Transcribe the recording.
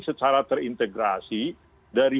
secara terintegrasi dari